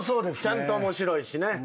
ちゃんと面白いしね。